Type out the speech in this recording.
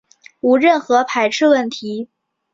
无任何排斥问题